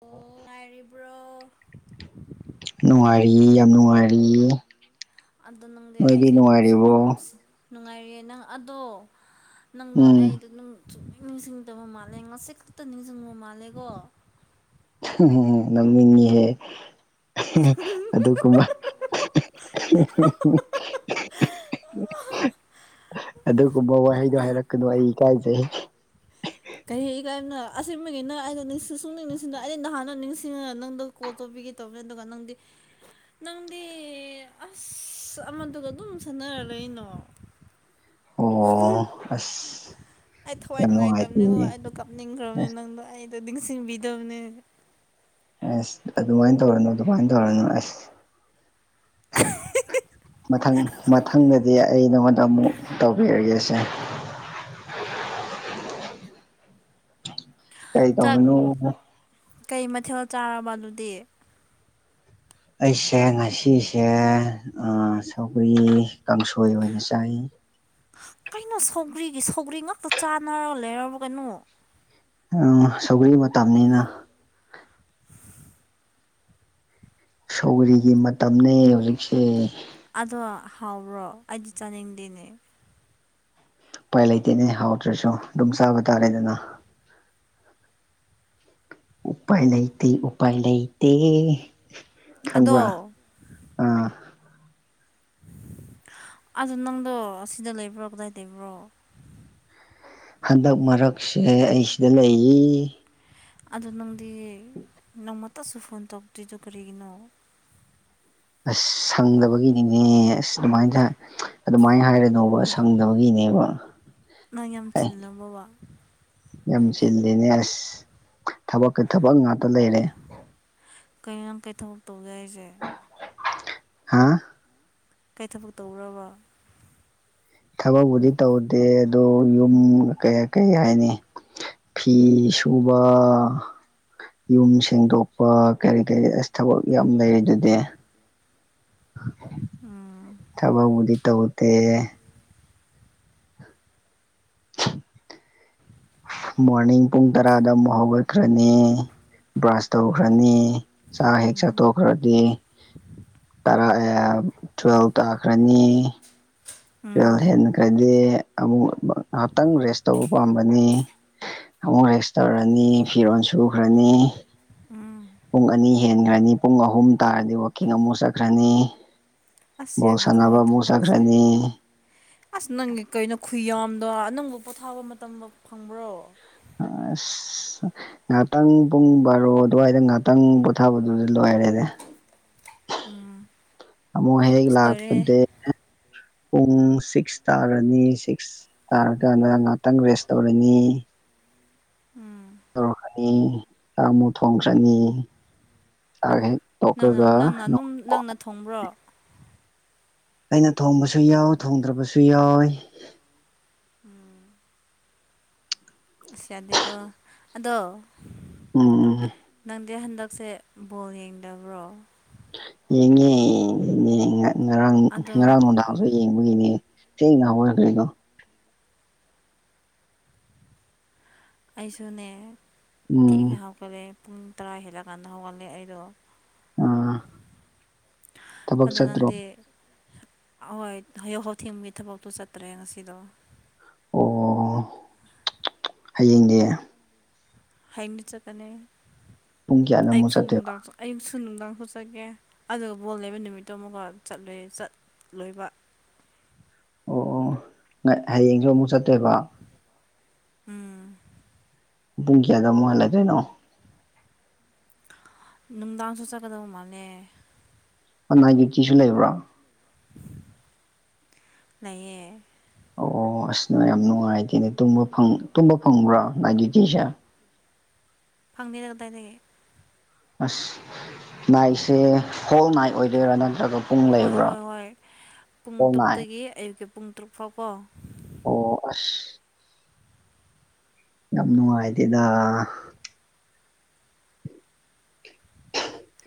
ꯑꯣ ꯅꯨꯡꯉꯥꯏꯔꯤꯕ꯭ꯔꯣ ꯅꯨꯡꯉꯥꯏꯔꯤ ꯌꯥꯝ ꯅꯨꯡꯉꯥꯏꯔꯤ ꯑꯗꯣ ꯅꯪꯗꯤ ꯑꯩꯁꯦ ꯅꯨꯡꯁꯨ ꯁꯨꯛꯅꯨꯡ ꯅꯨꯡꯁꯤ ꯅꯨꯡꯉꯥꯏꯔꯤꯌꯦ ꯅꯪ ꯑꯗꯣ ꯅꯪꯗꯣ ꯎꯝ ꯑꯩꯗꯣ ꯅꯪ ꯁꯨꯛꯅꯤꯡꯁꯤꯡꯗꯕ ꯃꯥꯜꯂꯦ ꯉꯁꯤ ꯈꯛꯇ ꯅꯤꯡꯁꯤꯡꯕ ꯃꯥꯜꯂꯦꯀꯣ ꯅꯣꯛꯅꯤꯡꯒꯦꯍꯦ ꯑꯗꯨ ꯀꯨꯝꯕ ꯑꯗꯨꯒꯨꯝꯕ ꯋꯥꯍꯩꯗꯣ ꯍꯥꯏꯔꯛꯀꯅꯨ ꯑꯩ ꯏꯀꯥꯏꯖꯩ ꯀꯔꯤ ꯀꯥꯏꯅꯣ ꯑ ꯑꯁꯤꯕꯒꯤꯅ ꯑꯩꯅ ꯅꯤꯡ ꯁꯨꯡꯅꯤꯡ ꯅꯤꯡꯁꯤꯡꯅ ꯑꯩꯅ ꯅꯍꯥꯟ ꯅꯤꯡꯁꯤꯡꯉꯒ ꯅꯪꯗ ꯀꯣꯜ ꯇꯧꯕꯤꯒꯦ ꯇꯧꯕꯅꯦ ꯑꯗꯨꯒ ꯅꯪꯗꯤ ꯅꯪꯗꯤ ꯑꯁ ꯑꯃꯗꯨꯒ ꯑꯗꯨꯝ ꯁꯥꯟꯅꯔ ꯂꯩꯅꯥ [unintelligible] ꯑꯣ ꯑꯁ ꯑꯩ ꯊꯋꯥꯏ ꯌꯥꯝ ꯅꯨꯡꯉꯥꯏꯇꯕꯅꯤꯕꯣ ꯅꯨꯡꯉꯥꯏꯇꯦꯅꯦ ꯑꯩꯗꯣ ꯀꯥꯞꯅꯤꯡꯈ꯭ꯔꯕꯅꯦ ꯑꯁ ꯅꯪꯗꯣ ꯑꯩꯗꯣ ꯅꯤꯡꯁꯤꯡꯕꯤꯗꯕꯅꯦ ꯑꯁ ꯑꯗꯨꯃꯥꯏꯅ ꯇꯧꯔꯅꯨ ꯑꯗꯨꯃꯥꯏꯅ ꯇꯧꯔꯅꯨ ꯑꯁ [inaudible] ꯃꯊꯪ ꯃꯊꯪꯗꯗꯤ ꯑꯩ ꯅꯉꯣꯟꯗ ꯑꯃꯨꯛ ꯇꯧꯕꯤꯔꯒꯦꯁꯦ ꯀꯩꯗ ꯆꯥꯛ ꯃꯅꯨ [unintelligible] ꯀꯩ ꯃꯊꯦꯜ ꯆꯥꯔꯕ ꯑꯗꯨꯗꯤ ꯑꯩꯁꯦ ꯉꯁꯤꯁꯦ ꯁꯧꯒ꯭ꯔꯤ ꯀꯥꯡꯁꯣꯏ ꯑꯣꯏꯅ ꯆꯥꯏꯏ ꯀꯩꯅꯣ ꯁꯧꯒ꯭ꯔꯤꯒꯤ ꯁꯧꯒ꯭ꯔꯤ ꯉꯥꯛꯇ ꯆꯥꯟꯅꯔꯒ ꯂꯩꯔꯕ ꯀꯩꯅꯣ ꯁꯧꯒꯛꯏꯕ ꯃꯇꯝꯅꯤꯅ ꯁꯧꯔꯤꯒꯤ ꯃꯇꯝꯅꯤ ꯍꯧꯖꯤꯛꯁꯦ ꯑꯗꯣ ꯍꯥꯎꯕ꯭ꯔꯣ ꯑꯩꯗꯤ ꯆꯥꯅꯤꯡꯗꯦꯅꯦ ꯎꯄꯥꯏ ꯂꯩꯇꯦꯅꯦ ꯍꯥꯎꯇꯔꯥꯁꯨ ꯑꯗꯨꯝ ꯆꯥꯕ ꯇꯥꯔꯦꯗꯅ ꯎꯄꯥꯏ ꯂꯩꯇꯦ ꯎꯄꯥꯏ ꯂꯩꯇꯦ ꯈꯪ꯭ꯕꯔꯥ ꯑꯗꯣ ꯑꯥ ꯑꯗꯨ ꯅꯪꯗꯣ ꯁꯤꯗ ꯂꯩꯕ꯭ꯔꯣ ꯀꯗꯥꯏ ꯂꯩꯕ꯭ꯔꯣ ꯍꯟꯗꯛ ꯃꯔꯛꯁꯦ ꯑꯩ ꯁꯤꯗ ꯂꯩ ꯑꯗꯣ ꯅꯪꯗꯤ ꯅꯣꯡꯃꯇꯁꯨ ꯐꯣꯟ ꯇꯧꯔꯛꯇꯔꯤꯗꯣ ꯀꯔꯤꯒꯤꯅꯣ ꯑꯁ ꯁꯪꯗꯕꯒꯤꯅꯤꯅꯦ ꯑꯁ ꯑꯗꯨꯃꯥꯏꯅ ꯇ ꯑꯗꯨꯃꯥꯏꯅ ꯍꯥꯏꯔꯅꯣꯕ ꯁꯪꯗꯕꯒꯤꯅꯦꯕ ꯅꯪ ꯌꯥꯝ ꯑꯦ ꯆꯤꯜꯂꯕꯣ ꯕ ꯌꯥꯝ ꯆꯤꯜꯂꯤꯅꯦ ꯑꯁ ꯊꯕꯛꯀ ꯊꯕꯛ ꯉꯥꯛꯇ ꯂꯩꯔꯦ ꯀꯩꯅꯣꯝ ꯀꯩꯊꯧ ꯇꯧꯒ ꯍꯥꯏꯁꯦ ꯍꯥꯥ ꯀꯩ ꯊꯕꯛ ꯇꯧꯔꯕ ꯊꯕꯛꯕꯨꯗꯤ ꯇꯧꯗꯦ ꯑꯗꯨꯣ ꯌꯨꯝ ꯀꯌꯥ ꯀꯩ ꯍꯥꯏꯅꯤ ꯐꯤ ꯁꯨꯕ ꯌꯨꯝ ꯁꯦꯡꯗꯣꯛꯄ ꯀꯔꯤ ꯀꯔꯤ ꯊꯕꯛ ꯌꯥꯝ ꯂꯩꯔꯤ ꯑꯗꯨꯗꯤ ꯎꯝ ꯊꯕꯛꯕꯨꯗꯤ ꯇꯧꯗꯦ [inaudible] ꯃꯣꯔꯅꯤꯡ ꯄꯨꯡ ꯇꯔꯥꯗ ꯑꯃꯨꯛ ꯍꯧꯒꯠꯈ꯭ꯔꯅꯤ ꯕ꯭ꯔꯥꯁ ꯇꯧꯈ꯭ꯔꯅꯤ ꯆ ꯍꯦꯛ ꯆ ꯎꯝ ꯇꯣꯈꯔ ꯗꯤꯔ ꯇꯨꯋꯦꯜꯕ ꯇꯥꯈ꯭ꯔꯅꯤ ꯇꯨꯋꯦꯜ ꯎꯝ ꯍꯦꯟꯈ꯭ꯔꯗꯤ ꯑꯃꯨꯛ ꯉꯥꯏꯍꯥꯛꯇꯪ ꯔꯦꯁ ꯇꯧꯕ ꯄꯥꯝꯕꯅꯤ ꯑꯃꯨꯛ ꯔꯦꯁ ꯇꯧꯔꯅꯤ ꯐꯤꯔꯣꯜ ꯁꯨꯈ꯭ꯔꯅꯤ ꯎꯝ ꯄꯨꯡ ꯑꯅꯤ ꯍꯦꯟꯈ꯭ꯔꯅꯤ ꯄꯨꯡ ꯑꯍꯨꯝ ꯇꯥꯔꯗꯤ ꯋꯥꯛꯀꯤꯡ ꯑꯃꯨꯛ ꯆꯠꯈ꯭ꯔꯅꯤ ꯑ ꯕꯣꯜ ꯑꯃꯀꯘ ꯁꯥꯟꯅꯕ ꯑꯃꯨꯛ ꯊꯕꯛꯁꯦ ꯆꯠꯈ꯭ꯔꯅꯤ ꯑꯁ ꯅꯪꯒꯤ ꯀꯩꯅꯣ ꯈꯨ ꯌꯥꯝꯗꯣ ꯅꯪꯕꯨ ꯄꯣꯊꯥꯕ ꯃꯇꯝ ꯐꯪꯕ꯭ꯔꯣ ꯑ ꯉꯥꯏꯍꯥꯛꯇꯪ ꯄꯨꯡ ꯕꯥꯔꯣ ꯑꯗꯨꯋꯥꯏꯗ ꯉꯥꯏꯥꯛꯇꯪ ꯄꯣꯊꯥꯕꯗꯨꯗꯤ ꯂꯣꯏꯔꯦꯅꯦ ꯎꯝ ꯑꯃꯨꯛ ꯍꯦꯛ ꯑꯁ ꯂꯣꯏꯔꯦꯍꯦ ꯂꯥꯛꯄꯗ ꯄꯨꯡ ꯁꯤꯛꯁ ꯇꯥꯔꯅꯤ ꯁꯤꯛꯁ ꯇꯥꯔꯀꯥꯟꯗ ꯉꯥꯏꯍꯥꯛꯇꯪ ꯔꯦꯁ ꯇꯧꯔꯅꯤ ꯎꯝ ꯇꯧꯔꯛꯀꯅꯤ ꯆꯥꯛ ꯑꯃꯨꯛ ꯊꯣꯡ ꯆꯅꯤ ꯆ ꯍꯦꯛ ꯅꯪꯅ ꯇꯣꯛꯑꯒ ꯅꯪꯅ ꯑꯗꯨꯝ ꯅꯪꯅ ꯊꯣꯡꯕ꯭ꯔꯣ ꯑꯩꯅ ꯊꯣꯡꯕꯁꯨ ꯌꯥꯎ ꯊꯣꯡꯗ꯭ꯔꯕꯁꯨ ꯌꯥꯎꯋ ꯎꯝ ꯁ ꯑꯗꯀꯣ ꯑꯗꯣ ꯎꯝ ꯑꯩ ꯍꯟꯗꯛꯁꯦ ꯕꯣꯜ ꯌꯦꯡꯗꯕ꯭ꯔꯣ ꯌꯦꯉ ꯌꯦ ꯉꯔꯥꯡ ꯑꯗꯣ ꯉꯔꯥꯡꯉꯣꯗ ꯊꯁꯨ ꯌꯦꯡꯕꯒꯤꯅꯦ ꯊꯦꯡꯅꯕꯕ ꯑꯣꯏꯔ ꯀꯩꯅꯣ ꯑꯩꯁꯨꯅꯦ ꯊꯛ ꯎꯝ ꯉꯍꯥꯎ ꯍꯧꯒꯠꯂꯦ ꯄꯨꯡ ꯇꯔꯥ ꯍꯦꯜꯂꯀꯥꯟꯗ ꯍꯧꯒꯠꯂꯦ ꯑꯩꯗꯣ ꯑꯥ ꯊꯕꯛ ꯑꯗꯣ ꯆꯠꯇ꯭ꯔꯣ ꯅꯪꯗꯤ ꯍꯣꯏ ꯍꯧ ꯍꯥꯎ ꯊꯤꯒꯤ ꯊꯕꯛꯇꯣ ꯆꯠꯇ꯭ꯔꯦ ꯉꯁꯤꯗꯣ ꯑꯣ ꯍꯌꯦꯡꯅꯦ ꯍꯌ°ꯡꯗꯩ ꯆꯠꯀꯅꯤ ꯄꯨꯡ ꯀꯌꯥꯗ ꯑꯃꯨꯛ ꯑꯩꯁꯨ ꯆꯠꯇꯣꯏꯕ ꯅꯨꯡꯗꯥꯡ ꯑꯌꯨꯛꯁꯨ ꯅꯨꯡꯗꯥꯡ ꯁꯣꯠꯆꯒꯦ ꯑꯗꯨꯒ ꯕꯣꯜ ꯂꯩꯕ ꯅꯨꯃꯤꯠꯇꯨ ꯑꯃꯨꯛꯀ ꯆꯠꯂꯨ ꯆꯠꯂꯣꯏꯕ ꯑꯣ ꯑꯣ ꯍꯌꯦꯡꯁꯨ ꯑꯃꯨꯛ ꯆꯠꯇꫭꯏꯕ ꯎꯝ ꯄꯨꯡ ꯀꯌꯥꯗ ꯃꯅꯨꯡꯉꯥꯏꯜꯂꯗ꯭ꯔꯣꯏꯅꯣ ꯅꯨꯡꯗꯥꯡꯁꯨ ꯆꯠꯀꯗꯧ ꯃꯥꯜꯂꯦ ꯍꯅꯥꯏꯒꯤ ꯀꯤꯁꯨ ꯂꯩꯕ꯭ꯔꯥ ꯂꯩꯌꯦ ꯑꯣ ꯑꯁꯅ ꯌꯥꯝ ꯅꯨꯡꯉꯥꯏꯇꯦꯅꯦ ꯇꯨꯝꯕ ꯐꯪꯕ꯭ꯔꯥ ꯂꯥꯏꯒꯤꯇꯁꯦ ꯐꯪꯕꯤꯔ ꯀꯗꯥꯏꯗꯒꯤꯦ ꯑꯁ ꯃꯅꯥꯥꯏꯁꯦ ꯍꯣꯜ ꯅꯥꯏ ꯑꯣꯏꯗꯣꯏꯔꯥ ꯅꯠꯇ꯭ꯔꯒ ꯄꯨꯡ ꯍꯣꯏ ꯂꯩꯕ꯭ꯔꯥ ꯍꯣꯏ ꯍꯣꯏ ꯄꯨꯡ ꯍꯣꯜ ꯅꯥꯏꯠ ꯇꯔꯨꯛꯇꯒꯤ ꯑꯌꯨꯛꯀꯤ ꯄꯨꯡ ꯇꯔꯨꯛ ꯐꯥꯎꯕꯣ ꯑꯣ ꯑꯁ ꯌꯥꯝ ꯅꯨꯡꯉꯥꯏꯇꯦꯗ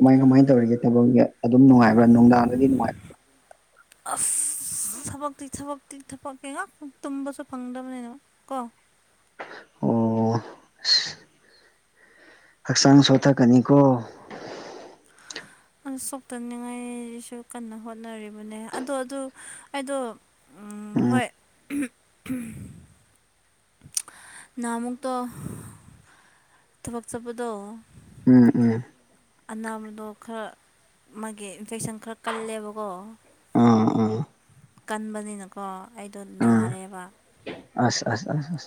ꯀꯃꯥꯏ ꯀꯃꯥꯏꯅ ꯇꯧꯔꯤꯒꯦ ꯊꯕꯛꯁ ꯑꯗꯨꯝ ꯅꯨꯡꯉꯕꯥ ꯅꯨꯡꯗꯥꯡꯗꯗꯤ ꯅꯨꯡꯉꯥꯏꯕ ꯑꯁ ꯊꯕꯛꯇꯤ ꯊꯕꯛꯇꯤ ꯊꯕ ꯉꯍꯥꯛ ꯇꯨꯝꯕꯁꯨ ꯐꯪꯗꯕꯅꯤꯅ ꯀꯣ ꯑꯣ ꯍꯛꯆꯥꯡ ꯁꯣꯊꯀꯅꯤꯀꯣ [unintelligible] ꯁꯣꯛꯇꯅꯤꯡꯉꯥꯏꯁꯨ ꯀꯟꯅ ꯍꯣꯠꯅꯔꯤꯕꯅꯦ ꯑꯗꯣ ꯑꯗꯨ ꯑꯩꯗꯣ ꯎꯝ ꯍꯣꯏ ꯅꯍꯥꯃꯨꯛꯇꫭ ꯊꯕꯛ ꯆꯄꯗꯣ ꯎꯝ ꯎꯝ ꯑꯅꯥꯕꯗꯣ ꯈꯔ ꯃꯥꯒꯤ ꯏꯟꯐꯦꯛꯁꯟ ꯈꯔ ꯀꯜꯂꯦꯕꯀꯣ ꯑꯥ ꯑꯥ ꯀꯟꯕꯅꯤꯅꯀꯣ ꯑꯩꯗꯣ ꯑꯥ ꯅꯥꯔꯦꯕ ꯑꯁ ꯑꯁ ꯑ ꯑ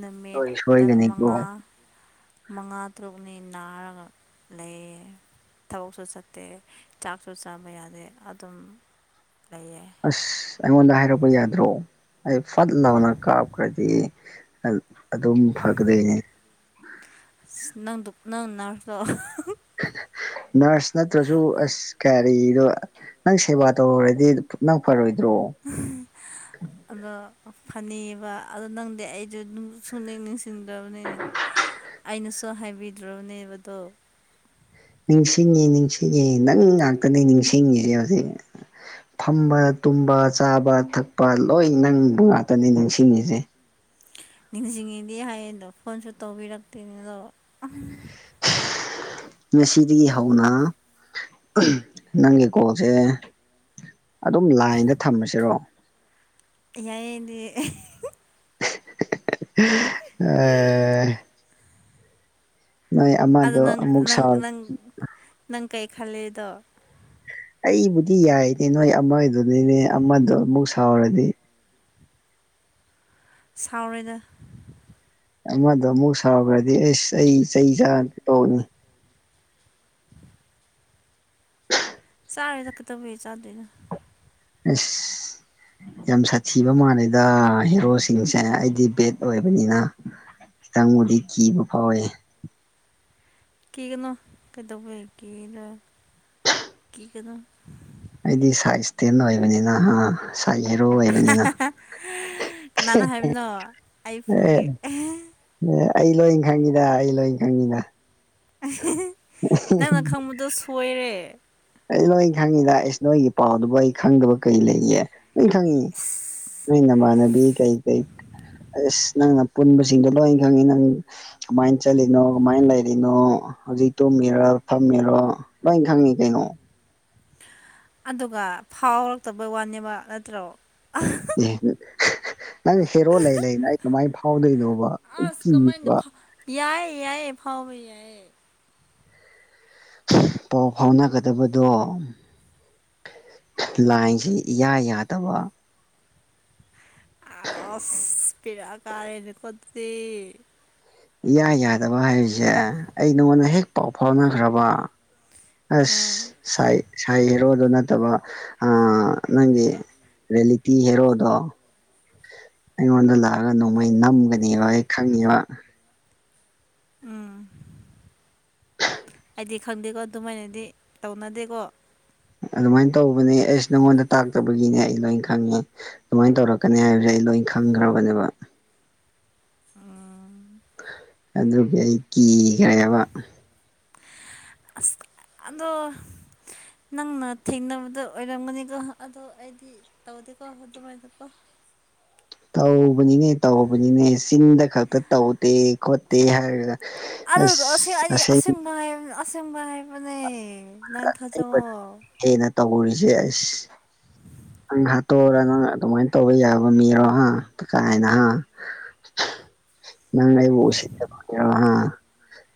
ꯅꯨꯃꯤꯠ ꯇꯔꯥ ꯃꯉꯥ ꯃꯉꯥ ꯇꯔꯨꯛꯅꯤ ꯅꯥꯔꯒ ꯂꯩꯌꯦ ꯊꯕꯛꯁꯨ ꯆꯠꯇꯦ ꯆꯥꯛꯁꯨ ꯆꯥꯕ ꯌꯥꯗꯦ ꯑꯗꯨꯝ ꯂꯩꯌꯦ ꯑꯁ ꯑꯩꯉꯣꯟꯗ ꯍꯥꯏꯔꯛꯄ ꯌꯥꯗ꯭ꯔꯣ ꯑꯩ ꯐꯠ ꯂꯥꯎꯅ ꯀꯥꯞꯈ꯭ꯔꯗꯤ [unintelligible] ꯑꯗꯨꯝ ꯐꯒꯗꯅꯦ꯫ ꯑꯁ ꯅꯪꯗꯨ ꯅꯪ ꯅꯔꯁꯔꯣ [unintelligible] ꯅꯔꯁ ꯅꯠꯇ꯭ꯔꯁꯨ ꯑꯁ ꯀꯔꯤꯔꯣ ꯅꯪ ꯁꯦꯕꯥ ꯇꯧꯔꯨꯔꯗꯤ ꯅꯪ ꯐꯔꯣꯏꯗ꯭ꯔꯣ꯫ ꯎꯝ ꯑꯗꯣ ꯐꯅꯦꯕ ꯑꯗꯣ ꯅꯪꯗꯤ ꯑꯩꯁꯨ ꯁꯨꯡꯅꯤꯡ ꯅꯤꯡꯁꯤꯡꯗ꯭ꯔꯕꯅꯤꯅ ꯑꯩꯅꯁꯨ ꯍꯥꯏꯕꯤꯗ꯭ꯔꯕꯅꯦꯕꯗꯣ ꯅꯤꯡꯁꯤꯡꯉꯤ ꯅꯤꯡꯁꯤꯡꯉ ꯅꯪ ꯉꯥꯛꯇꯅꯤ ꯅꯤꯡꯁꯤꯡꯉꯁꯦ ꯍꯧꯖꯤꯛ ꯐꯝꯕ ꯇꯨꯝꯕ ꯆꯥꯕ ꯊꯛꯄ ꯂꯣꯏ ꯅꯪꯕ ꯉꯥꯛꯇꯅꯤ ꯅꯤꯡꯁꯤꯡꯉꯤꯁꯦ ꯅꯤꯡꯁꯤꯡꯉꯤꯗꯤ ꯍꯥꯏꯌꯦ ꯑꯗꯣ ꯐꯣꯟꯁꯨ ꯇꯧꯕꯤꯔꯛꯇꯦꯅꯦ ꯑꯗꯣ ꯉꯁꯤꯗꯒꯤ ꯍꯧꯅ ꯅꯪꯒꯤ ꯀꯜꯁꯦ ꯑꯗꯨꯝ ꯂꯥꯏꯟꯗ ꯊꯝꯃꯁꯤꯔꯣ꯫ ꯌꯥꯏ ꯑꯦ ꯑꯗꯨ [unintelligible] [unintelligible] ꯑꯥ ꯅꯣꯏ ꯑꯗꯣ ꯑꯃꯗꯣ ꯅꯪ ꯑꯃꯨꯛ ꯅꯪ ꯁꯥꯎ ꯅꯪ ꯅꯪ ꯀꯩ ꯈꯜꯂꯦꯗꯣ ꯑꯩꯕꯨꯗꯤ ꯌꯥꯏ ꯀꯩꯅꯣ ꯑꯃꯒꯤꯗꯨꯅꯤꯅꯦ ꯑꯃꯗꯣ ꯑꯃꯨꯛ ꯁꯥꯎꯔꯗꯤ ꯁꯥꯎꯔꯣꯏꯗ꯫ ꯑꯩꯉꯣꯟꯗ ꯑꯃꯨꯛ ꯁꯥꯎꯈ꯭ꯔꯗꯤ ꯑꯁ ꯑꯩ ꯆꯩ ꯆꯥ ꯇꯧꯅꯤ ꯆꯥꯔꯣꯏꯗ ꯀꯩꯗꯧꯕꯩ ꯆꯥꯗꯣꯏꯅꯣ ꯑꯁ ꯌꯥꯝ ꯁꯥꯊꯤꯕ ꯃꯥꯟꯂꯦꯗ ꯍꯦꯔꯣꯁꯤꯡꯁꯦ ꯑꯩꯗꯤ ꯕꯦꯠ ꯑꯣꯏꯕꯅꯤꯅ ꯈꯤꯇꯪꯕꯨꯗꯤ ꯀꯤꯕ ꯐꯥꯎꯋꯦ꯫ ꯀꯤꯒꯅꯣ ꯀꯩꯗꯧꯕꯩ ꯀꯤ [unintelligible] ꯀꯤꯒꯅꯣ꯫ ꯑꯩꯗꯤ ꯁꯥꯏꯖ ꯏꯁꯇꯦꯟ ꯑꯣꯏꯕꯅꯤꯅ ꯍꯥ ꯁꯥꯏꯍꯦꯔꯣ [unintelligible] [unintelligible] ꯀꯅꯥꯅꯣ ꯍꯥꯏꯕꯅꯣ ꯑꯩ ꯑꯦ ꯐꯨꯒꯦ [unintelligible] ꯑꯦ ꯑꯩ ꯂꯣꯏꯅ ꯈꯪꯉꯤꯗ ꯑꯩ ꯂꯣꯏꯅ ꯈꯪꯉꯤꯗ [unintelligible] ꯅꯪꯅ ꯈꯪꯕꯗꯣ ꯁꯣꯏꯔꯦ꯫ ꯑꯩ ꯅꯣꯏ ꯈꯪꯉꯤꯗ ꯑꯦꯁ ꯅꯣꯏꯒꯤ ꯄꯥꯎꯗꯨꯕꯨ ꯑꯩ ꯈꯪꯗꯕ ꯀꯩ ꯂꯩꯒꯦ ꯅꯣꯏ ꯈꯪꯉꯤ꯫ ꯅꯪ ꯅꯃꯥꯟꯅꯕꯤ ꯀꯩ ꯀꯩ ꯑꯁ ꯅꯪꯅ ꯄꯨꯟꯕꯁꯤꯡꯗꯣ ꯂꯣꯏꯅ ꯈꯪꯉꯤ ꯅꯪ ꯀꯃꯥꯏꯅ ꯆꯠꯂꯤꯅꯣ ꯀꯃꯥꯏꯅ ꯂꯩꯔꯤꯅꯣ꯫ ꯍꯧꯖꯤꯛ ꯇꯨꯝꯃꯤꯔ ꯐꯝꯃꯤꯔꯣ ꯂꯣꯏ ꯈꯪꯉꯤ ꯀꯩꯅꯣ꯫ ꯑꯗꯨꯒ ꯐꯥꯎꯔꯛꯇꯕꯩ ꯋꯥꯅꯦꯕ ꯅꯠꯇ꯭ꯔꯣ꯫ ꯑꯦ ꯅꯪ ꯍꯦꯔꯣ ꯂꯩ ꯂꯩꯅ ꯑꯩ ꯀꯃꯥꯏꯅ ꯐꯥꯎꯗꯣꯏꯅꯣꯕ ꯑꯩ ꯑꯁ ꯀꯃꯥꯏꯅ ꯀꯤꯕ ꯌꯥꯏꯌꯦ ꯌꯥꯏꯑꯌꯦ ꯐꯥꯎꯕ ꯌꯥꯏꯌꯦ꯫ ꯄꯥꯎ ꯐꯥꯎꯅꯒꯗꯕꯗꯣ ꯂꯥꯏꯟꯁꯦ ꯏꯌꯥ ꯌꯥꯗꯕ ꯑꯁ ꯕꯦꯔꯥ ꯀꯥꯔꯦꯅꯦꯀꯣ ꯑꯗꯨꯗꯤ ꯏꯌꯥ ꯌꯥꯗꯕ ꯍꯥꯏꯔꯤꯁꯦ ꯑꯩ ꯅꯉꯣꯟꯗ ꯍꯦꯛ ꯄꯥꯎ ꯐꯥꯎꯅꯈ꯭ꯔꯕ ꯑꯁ ꯑꯥ ꯁꯥꯏ ꯁꯥꯏ ꯍꯦꯔꯣꯗꯨ ꯅꯠꯇꯕ ꯑꯥ ꯅꯪꯒꯤ ꯔꯦꯂꯤꯇꯤ ꯍꯦꯔꯣꯗꯣ ꯑꯩꯉꯣꯟꯗ ꯂꯥꯛꯑꯒ ꯅꯣꯡꯃꯩ ꯅꯝꯒꯅꯦꯕ ꯑꯩ ꯈꯪꯉꯤꯕ ꯎꯝ ꯑꯩꯗꯤ ꯈꯪꯗꯦꯀꯣ ꯑꯗꯨꯃꯥꯏꯅꯗꯤ ꯇꯧꯅꯗꯦꯀꯣ꯫ ꯑꯗꯨꯃꯥꯏꯅ ꯇꯧꯕꯅꯦ ꯑꯩꯁ ꯅꯪꯉꯣꯟꯗ ꯇꯥꯛꯇꯕꯒꯤꯅꯦ ꯑꯩ ꯂꯣꯏ ꯈꯪꯉꯦ꯫ ꯑꯗꯨꯃꯥꯏꯅ ꯇꯧꯔꯛꯀꯅꯤ ꯍꯥꯏꯕꯁꯦ ꯑꯩ ꯂꯣꯏ ꯈꯪꯈ꯭ꯔꯕꯅꯦꯕ꯫ ꯑꯥ ꯑꯗꯨꯒꯤ ꯑꯩ ꯀꯤꯈ꯭ꯔꯦꯕ꯫ ꯑꯁ ꯑꯗꯣ ꯅꯪꯅ ꯊꯦꯡꯅꯕꯗ ꯑꯣꯏꯔꯝꯒꯅꯤꯀꯣ ꯑꯗꯣ ꯑꯩꯗꯤ ꯇꯧꯗꯦꯀꯣ ꯑꯗꯨꯃꯥꯏꯅꯀꯣ ꯇꯧꯕꯅꯤꯅꯦ ꯇꯧꯕꯅꯤꯅꯦ ꯆꯤꯡꯗ ꯈꯛꯇ ꯇꯧꯗꯦ ꯈꯣꯠꯇꯦ ꯍꯥꯏꯔꯒꯗ ꯑꯗꯨꯗꯣ ꯑꯁꯦ ꯑꯩꯗꯤ ꯑꯁꯦꯝꯕ ꯍꯥꯏ ꯑꯁꯦꯡꯕ ꯍꯥꯏꯕꯅꯦ [inaudible] ꯍꯦꯟꯅ ꯇꯧꯔꯤꯁꯦ ꯑꯁ ꯅꯪ ꯍꯥꯠꯇꯣꯛꯑꯣꯔ ꯅꯪ ꯑꯗꯨꯃꯥꯏꯅ ꯇꯧꯕ ꯌꯥꯕ ꯃꯤꯔꯣ ꯍꯥ ꯀꯀꯥꯏꯅ ꯍꯥ [inaudible] ꯅꯪ ꯑꯩꯕꯨ ꯎꯁꯤꯠꯇꯕꯗꯣ ꯍꯥ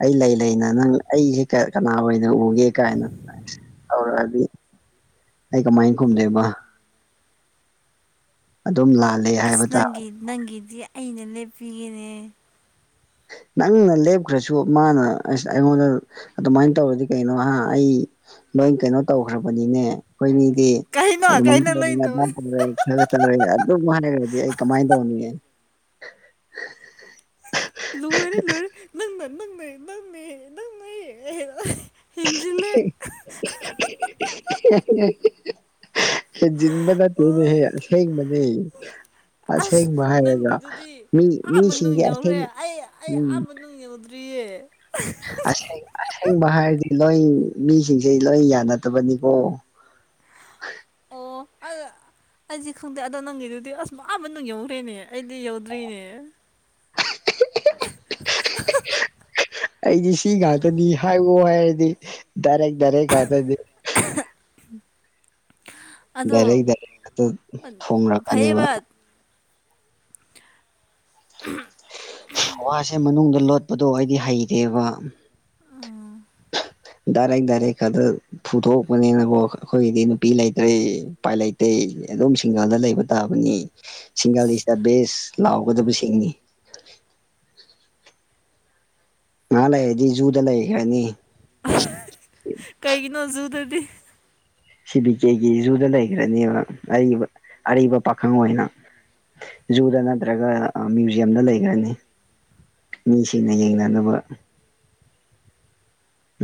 ꯑꯩ ꯂꯩ ꯂꯩꯅ ꯅꯪ ꯑꯩꯁ ꯁꯦ ꯀꯅꯥ ꯑꯣꯏꯅ ꯎꯒꯦ ꯀꯥꯏꯅ ꯍꯧꯔꯛꯑꯗꯤ ꯑꯩ ꯀꯃꯥꯏ ꯈꯨꯝꯗꯣꯏꯕ꯫ ꯑꯗꯨꯝ ꯂꯥꯜꯂꯦ ꯍꯥꯏꯕ ꯇꯥꯕ꯫ ꯅꯪꯒꯤꯗꯤ ꯑꯩꯅ ꯂꯦꯞꯄꯤꯒꯦꯅꯦ꯫ ꯅꯪꯅ ꯂꯦꯞꯈ꯭ꯔꯁꯨ ꯃꯥꯅ ꯑꯁ ꯑꯩꯉꯣꯟꯗ ꯑꯗꯨꯃꯥꯏꯅ ꯇꯧꯔꯗꯤ ꯀꯩꯅꯣ ꯍꯥ ꯑꯩ ꯂꯣꯏ ꯀꯩꯅꯣ ꯇꯧꯈ꯭ꯔꯕꯅꯤꯅꯦ ꯑꯩꯈꯣꯏꯅꯤꯗꯤ ꯑꯗꯨ [unintelligible] ꯆꯠꯂꯨꯔꯦ ꯑꯗꯨꯝ ꯍꯥꯏꯔꯒꯗꯤ ꯑꯩ ꯀꯃꯥꯏ ꯇꯧꯅꯤ [unintelligible] [inaudible] ꯅꯪꯅ ꯅꯪꯅ ꯅꯪ ꯅꯪꯅ [unintelligible] ꯍꯦꯟꯖꯤꯜꯂꯦ [unintelligible] ꯍ ꯖꯤꯤꯟꯕꯗꯅꯦ ꯍ ꯃꯅꯦ ꯑꯁ ꯅꯪꯒꯤꯗꯨꯗꯤ ꯑꯥꯕ ꯅꯨꯡ ꯃꯤꯁꯤꯡꯒꯤ ꯌꯧꯔ꯭ꯔꯦ ꯑꯁꯦꯡ ꯑꯩ ꯑꯩ ꯑꯥꯕ ꯅꯨꯡ ꯌꯧꯗ ꯇꯌꯦ ꯁ ꯑꯁꯦꯡꯕ ꯍꯥꯏꯔꯗꯤ ꯂꯣꯏ ꯃꯤꯁꯤꯡꯁꯦ ꯂꯣꯏ ꯌꯥꯅꯗꯕꯅꯤꯀꯣ ꯑꯣ ꯑꯗ ꯑꯩꯁꯦ ꯈꯪꯗꯦ ꯑꯗꯣ ꯅꯪꯒꯤꯗꯨꯗꯤ ꯑꯁ ꯃꯥ ꯅꯨꯡ ꯌꯧꯈ꯭ꯔꯦꯅꯦ ꯑꯩꯗꯤ ꯌꯧꯗ꯭ꯔꯤꯅꯦ [inaudible] ꯑꯩꯗꯤ ꯁꯤ ꯉꯥꯛꯇꯅꯤ ꯍꯥꯏꯌꯣ ꯍꯥꯏꯔꯗꯤ ꯗꯥꯏꯔꯦꯛ ꯗꯥꯏꯔꯦꯛ ꯉꯥꯛꯇꯅꯦ ꯗꯥꯏꯔꯦꯛ ꯗꯥꯏꯔꯦꯛ [unintelligible] ꯇ ꯊꯣꯝꯔꯛꯀꯅꯦꯕ [inaudible] ꯋꯥꯁꯦ ꯃꯅꯨꯡꯗ ꯂꯣꯠꯄꯗꯣ ꯑꯩꯗꯤ ꯍꯩꯇꯦꯕ ꯗꯔꯦꯛ ꯗꯔꯦꯛ ꯈꯗ ꯐꯨꯊꯣꯛꯄꯅꯤꯅꯀꯣ ꯑꯩꯈꯣꯏꯒꯤꯗꯤ ꯅꯨꯄꯤ ꯂꯩꯇ꯭ꯔꯦ ꯎꯄꯥꯏ ꯂꯩꯇꯦ ꯑꯗꯨꯝ ꯁꯤꯡꯒꯜꯗ ꯂꯩꯕ ꯇꯥꯕꯅꯤ ꯁꯤꯡꯒꯥꯜ ꯏꯁ ꯗ ꯕꯦꯁ ꯂꯥꯎꯒꯗꯕꯁꯤꯡꯅꯤ ꯉꯍꯥ ꯂꯩꯔꯗꯤ ꯖꯨꯗ ꯂꯩꯈ꯭ꯔꯅꯤ ꯀꯩꯒꯤꯅꯣ ꯖꯨꯗꯗꯤ ꯁꯤ ꯕꯤ ꯀꯦꯒꯤ ꯖꯨꯗ ꯂꯩꯈ꯭ꯔꯅꯦꯕ ꯑꯔꯤꯕ ꯑꯔꯤꯕ ꯄꯥꯈꯪ ꯑꯣꯏꯅ ꯖꯨꯗ ꯅꯠꯇ꯭ꯔꯒ ꯃ꯭ꯌꯨꯖꯤꯌꯝꯗ ꯂꯩꯈ꯭ꯔꯅꯤ ꯃꯤꯁꯤꯡꯅ ꯌꯦꯡꯅꯅꯕ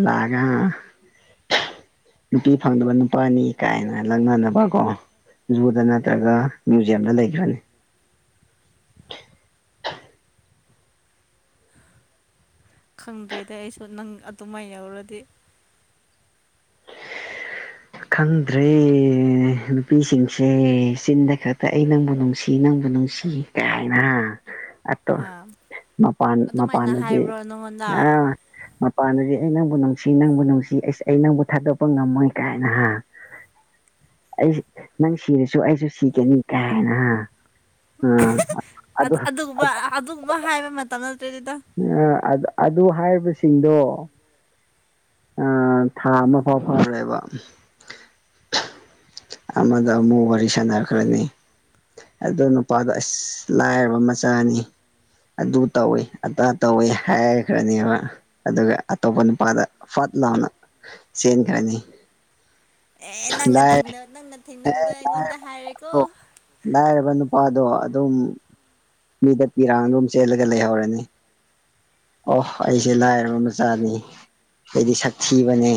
ꯂꯒ [inaudible] ꯅꯨꯄꯤ ꯐꯪꯗꯕ ꯅꯨꯄꯥꯅꯤ ꯀꯥꯏꯅ ꯂꯧꯪꯅꯅꯕ ꯀꯣ ꯖꯨꯗ ꯅꯠꯇ꯭ꯔꯒ ꯃ꯭ꯌꯨꯖꯤꯌꯝꯗ ꯂꯩꯈꯤꯕꯅꯤ ꯈꯪꯗ꯭ꯔꯦꯗ ꯑꯩꯁꯨ ꯅꯪ ꯑꯗꯨꯃꯥꯏꯅ ꯌꯧꯔꯗꯤ ꯈꯪꯗ꯭ꯔꯦ ꯅꯨꯄꯤꯁꯤꯡꯁꯦ ꯆꯤꯟꯗ ꯈꯛꯇ ꯑꯩ ꯅꯪꯕꯨ ꯅꯨꯡꯁꯤ ꯅꯪꯕꯨ ꯅꯨꯡꯁꯤ ꯊ ꯀꯥꯏꯅ ꯑꯇꯣ ꯑꯥ ꯃꯄꯥꯟ ꯑꯗꯨꯃꯥꯏꯅ ꯃꯄꯥꯟꯗꯗꯤ ꯍꯥꯏꯕ꯭ꯔꯣ ꯅꯪꯉꯣꯟꯗ ꯑ ꯃꯄꯥꯟꯗꯗꯤ ꯑꯩ ꯅꯪꯕꯨ ꯅꯨꯡꯁꯤ ꯅꯪꯕꯨ ꯅꯨꯡꯁꯤꯁ ꯑꯩ ꯅꯪꯕꯨ ꯊꯥꯗꯣꯛꯄ ꯉꯝꯃꯣꯏ ꯀꯥꯏ ꯍꯥ ꯑꯩ ꯅꯪ ꯁꯤꯔꯁꯨ ꯑꯩꯁꯨ ꯁꯤꯒꯅꯤ ꯀꯥꯏ ꯍꯥꯏꯅ ꯑꯗꯨꯒꯨꯝꯕ ꯑꯗꯨꯒꯨꯝꯕ ꯍꯥꯏꯕ ꯃꯇꯝ ꯅꯠꯇ꯭ꯔꯦꯗꯤꯇ ꯑꯗꯨ ꯍꯥꯏꯔꯤꯕꯁꯤꯡꯗꯣ ꯑ ꯊ ꯑꯃ ꯐ ꯐꯔꯦꯕ ꯑꯃꯗ ꯃꯨ ꯋꯥꯔꯤ ꯁꯅꯔ ꯀꯔꯅꯤ ꯑꯗꯣ ꯅꯨꯄꯥꯗꯣ ꯑꯁ ꯂꯥꯏꯔꯕ ꯃꯆꯥꯅꯤ ꯑꯗꯨ ꯇꯧꯏꯤ ꯑꯗꯥ ꯇꯧꯏꯤ ꯍꯥꯏꯈ꯭ꯔꯅꯦꯕ ꯑꯗꯨꯒ ꯑꯇꯣꯞꯄ ꯅꯨꯄꯥꯗ ꯐꯠꯇ ꯂꯥꯎꯅ ꯁꯦꯡꯅ ꯀꯔꯅꯤ ꯑꯦ ꯅꯪꯅꯦꯡ ꯅꯪꯅ ꯊꯦꯡꯅꯕꯗꯣ ꯑꯩꯉꯣꯟꯗ ꯍꯥꯏꯔꯦꯀꯣ ꯂꯥꯏꯔꯕ ꯅꯨꯄꯥꯗꯣ ꯑꯗꯨꯝ ꯃꯤꯗ ꯄꯤꯔꯥꯡ ꯑꯗꯨꯣꯝ ꯆꯦꯜꯂꯒ ꯂꯩꯍꯧꯔꯅꯤ ꯑꯣꯍ ꯑꯩꯁꯦ ꯂꯥꯏꯔꯕ ꯃꯆꯥꯅꯤ ꯑꯩꯗꯤ ꯁꯛꯊꯤꯕꯅꯦ